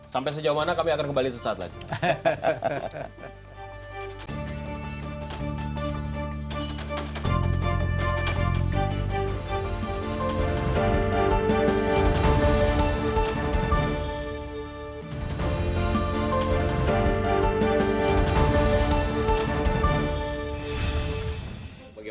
sampai sejauh mana kami akan kembali sesaat lagi